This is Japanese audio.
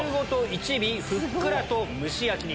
１尾ふっくらと蒸し焼きに。